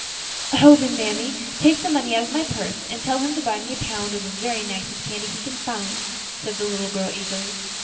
"Oh! then, mammy, take some money out of my purse, and tell him to buy me a pound of the very nicest candy he can find," said the little girl, eagerly.